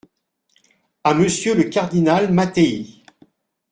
À Monsieur le cardinal Mattei.